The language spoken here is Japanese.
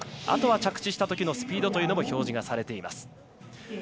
あとは着地したときのスピードというのも表示がされています。